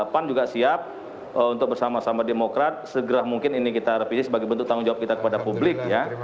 pan juga siap untuk bersama sama demokrat segera mungkin ini kita revisi sebagai bentuk tanggung jawab kita kepada publik ya